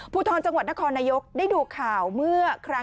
สุดยอดดีแล้วล่ะ